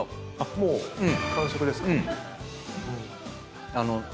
もう完食ですか。